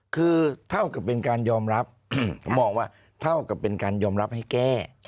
คือเท่ากับเป็นการยอมรับผมมองว่าเท่ากับเป็นการยอมรับให้แก้